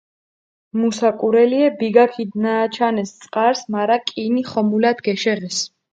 მუ საკურელიე, ბიგა ქიდჷნააჩანეს წყარსჷ, მარა კინი ხომულათ გეშეღესჷ.